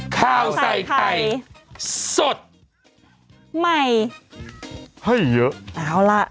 ข้าวใส่ไข่สดใหม่ให้เยอะเอาล่ะ